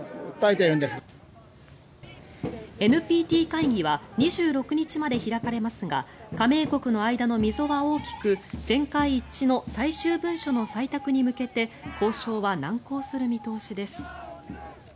ＮＰＴ会議は２６日まで開かれますが加盟国の間の溝は大きく全会一致の最終文書の採択に向けて交渉は難航する見通しです。